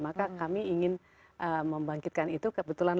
maka kami ingin membangkitkan itu kebetulan